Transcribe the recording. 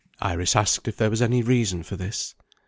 Iris asked if there was any reason for this.